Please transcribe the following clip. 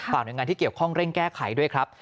หน่วยงานที่เกี่ยวข้องเร่งแก้ไขด้วยครับ